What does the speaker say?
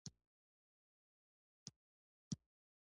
ایا ستاسو مسکه به ویلې نه وي؟